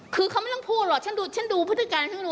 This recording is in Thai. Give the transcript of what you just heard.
คือเขาไม่ต้องพูดหรอกฉันดูฉันดูพฤติการฉันดู